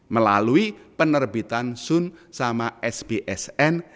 melalui penerbitan sun sama sbsn